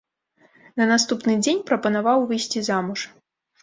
На наступны дзень прапанаваў выйсці замуж.